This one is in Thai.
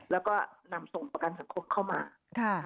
แล้วก็นำส่งประกันสังคมเข้ามา